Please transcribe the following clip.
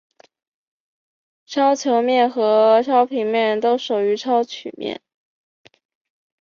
超球面和超平面都属于超曲面。